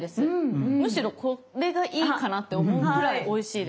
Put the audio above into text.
むしろこれがいいかなって思うくらいおいしいです。